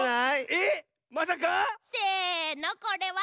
えっまさか⁉せのこれは。